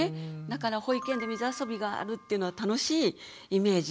だから保育園で水遊びがあるっていうのは楽しいイメージ。